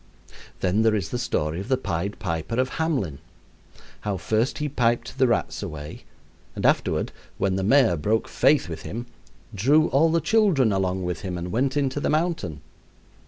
Then there is the story of the Pied Piper of Hamelin, how first he piped the rats away, and afterward, when the mayor broke faith with him, drew all the children along with him and went into the mountain.